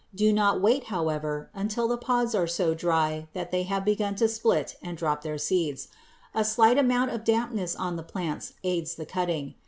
Do not wait, however, until the pods are so dry that they have begun to split and drop their seeds. A slight amount of dampness on the plants aids the cutting.